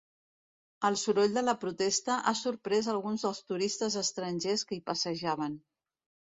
El soroll de la protesta ha sorprès alguns dels turistes estrangers que hi passejaven.